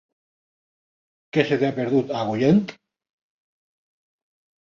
Què se t'hi ha perdut, a Agullent?